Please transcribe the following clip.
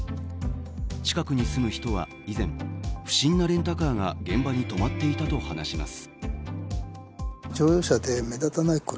近くに住む人は、以前不審なレンタカーが現場に止まっていたと話します。